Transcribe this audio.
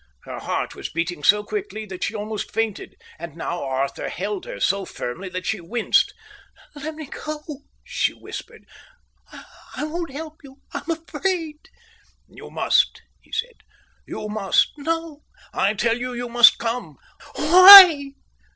Her heart was beating so quickly that she almost fainted. And now Arthur held her, so firmly that she winced. "Let me go," she whispered. "I won't help you. I'm afraid." "You must," he said. "You must." "No." "I tell you, you must come." "Why?"